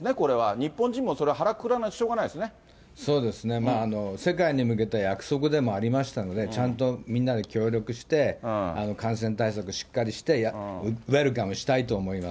日本人もそりゃ、腹くくらないとそうですね、世界に向けて約束でもありましたので、ちゃんとみんなで協力して、感染対策しっかりして、ウェルカムしたいと思います。